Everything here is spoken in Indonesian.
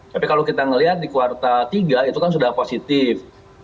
tapi kalau kita melihat di kuartal tiga itu kan sudah positif